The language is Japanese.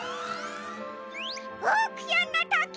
オークションのとき！